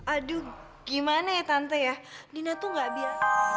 aduh gimana ya tante ya dina tuh nggak biar